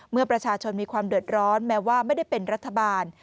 เมื่อประชาชนมีความเดือดร้อนแม้ว่าไม่ได้เป็นรัฐบาล